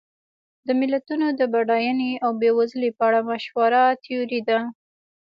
د ملتونو د بډاینې او بېوزلۍ په اړه مشهوره تیوري ده.